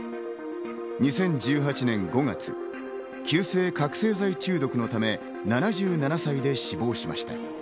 ２０１８年５月、急性覚せい剤中毒のため７７歳で死亡しました。